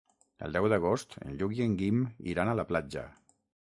El deu d'agost en Lluc i en Guim iran a la platja.